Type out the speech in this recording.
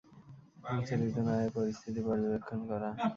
বিচলিত না হয়ে পরিস্থিতি পর্যবেক্ষণ করা।